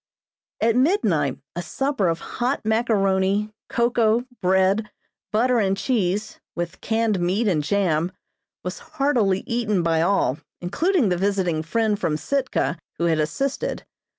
At midnight a supper of hot macaroni, cocoa, bread, butter and cheese, with canned meat and jam, was heartily eaten by all, including the visiting friend from Sitka who had assisted.